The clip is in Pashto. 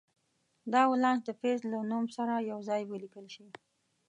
دا ولانس د فلز له نوم سره یو ځای ولیکل شي.